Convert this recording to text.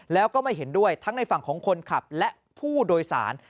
แล้วก็ไม่เห็นด้วยทั้งในฝั่งของคนขับและผู้โดยสาร